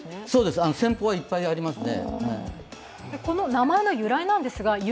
戦法はいっぱいありますね。